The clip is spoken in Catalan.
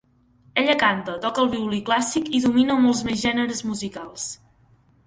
Ella canta, toca el violí clàssic i domina molts més gèneres musicals.